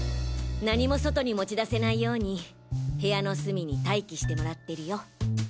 何も外に持ち出せないように部屋のスミに待機してもらってるよ。